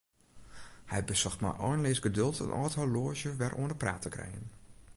Hy besocht mei einleas geduld in âld horloazje wer oan 'e praat te krijen.